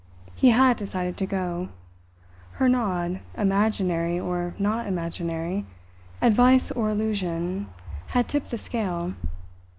He had decided to go. Her nod, imaginary or not imaginary, advice or illusion, had tipped the scale.